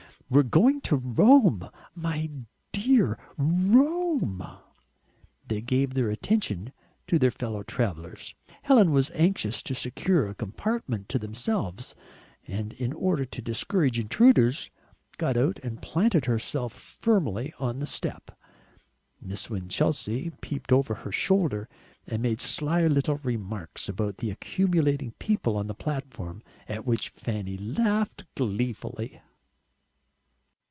we're going to Rome, my dear! Rome!" they gave their attention to their fellow travellers. Helen was anxious to secure a compartment to themselves, and, in order to discourage intruders, got out and planted herself firmly on the step. Miss Winchelsea peeped out over her shoulder, and made sly little remarks about the accumulating people on the platform, at which Fanny laughed gleefully.